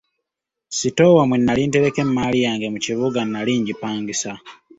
Sitoowa mwe nali ntereka emmaali yange mu kibuga nali ngipangisa.